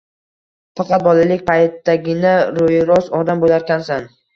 Faqat bolalik paytingdagina ro‘yi rost odam bo‘larkansan